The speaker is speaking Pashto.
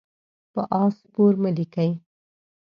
په آس سپور مه لیکئ.